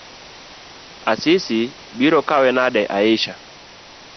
Asisi biro kawe nade Aisha?